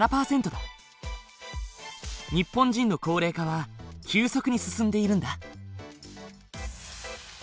日本人の高齢化は急速に進んでいるんだ。